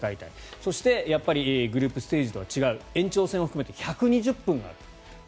そして、やっぱりグループステージとは違う延長戦を含めて１２０分ある。